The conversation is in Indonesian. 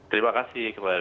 terima kasih ketua yd